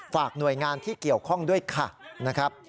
ฝากหน่วยงานที่เกี่ยวข้องด้วยค่ะนะครับ